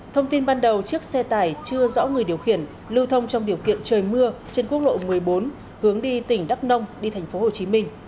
thông tin ban đầu chiếc xe tải chưa rõ người điều khiển lưu thông trong điều kiện trời mưa trên quốc lộ một mươi bốn hướng đi tỉnh đắk nông đi tp hcm